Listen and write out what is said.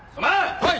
はい。